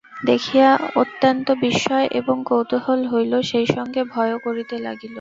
দেখিয়া অত্যন্ত বিস্ময় এবং কৌতূহল হইল, সেইসঙ্গে ভয়ও করিতে লাগিল।